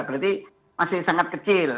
berarti masih sangat kecil